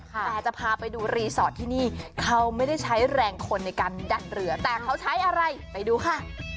แต่จะพาไปดูรีสอร์ทที่นี่เขาไม่ได้ใช้แรงคนในการดันเรือแต่เขาใช้อะไรไปดูค่ะ